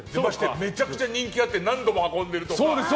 めちゃくちゃ人気あって何度も運んでるとか。